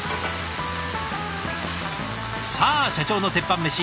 さあ社長の鉄板メシ